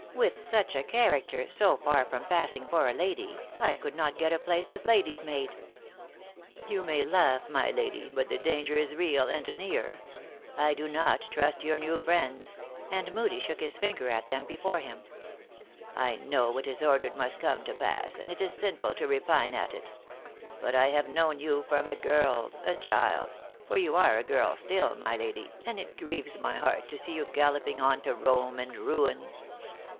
With such a character, so far from passing for a lady, I could not get a place as lady s maid." 1 " You may laugh, my lady, but the danger is real and near. I do not trust your new friends," and Moodie shook his finger at them before him. " I know what is ordered must come to pass, and it is sin ful to repine at it. But I have known you from a girl, a child, for you are a girl still, my lady, and it grieves my heart to see you galloping on to Rome and ruin."